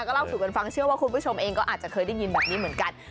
ก็เล่าสู่กันฟังเชื่อว่าคุณผู้ชมเองก็อาจจะเคยได้ยินแบบนี้เหมือนกัน